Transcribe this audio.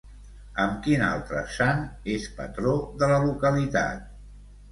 Amb quin altre sant és patró de la localitat?